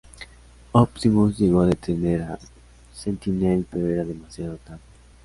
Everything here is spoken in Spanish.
Optimus llegó a detener a Sentinel pero era demasiado tarde.